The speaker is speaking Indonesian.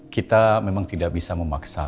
kita memang tidak bisa memaksa